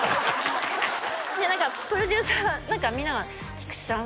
いや何かプロデューサーが何かみんなが菊地さん